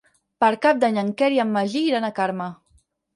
Per Cap d'Any en Quer i en Magí iran a Carme.